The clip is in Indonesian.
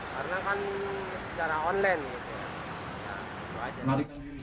karena kan sekarang online